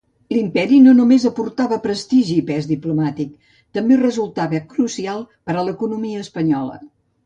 L'imperi no només aportava prestigi i pes diplomàtic; també resultava crucial per a l'economia espanyola.